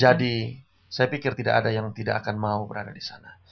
jadi saya pikir tidak ada yang tidak akan mau berada di sana